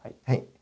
はい。